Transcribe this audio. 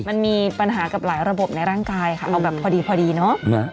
มันมีปัญหากับหลายระบบในร่างกายค่ะเอาแบบพอดีพอดีเนาะ